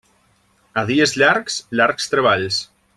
A dies llargs, llargs treballs.